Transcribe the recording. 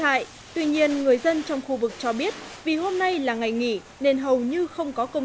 hại tuy nhiên người dân trong khu vực cho biết vì hôm nay là ngày nghỉ nên hầu như không có công